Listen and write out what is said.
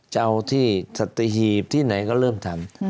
จะเอาที่สัตหีบที่ไหนก็เริ่มทำ